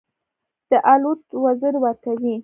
د الوت وزرې ورکوي.